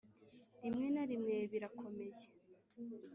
rimwe na rimwe birakomeye,